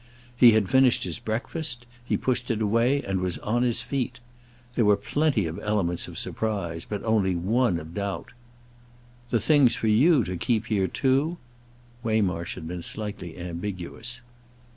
He had finished his breakfast; he pushed it away and was on his feet. There were plenty of elements of surprise, but only one of doubt. "The thing's for you to keep here too?" Waymarsh had been slightly ambiguous.